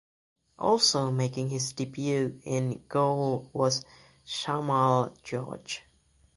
Also making his debut in goal was Shamal George.